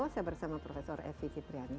saya bersama prof evi fitriani